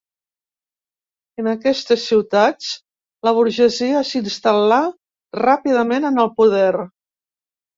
En aquestes ciutats, la burgesia s'instal·là ràpidament en el poder.